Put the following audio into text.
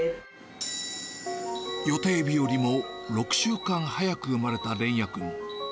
予定日よりも６週間早く生まれた連也君。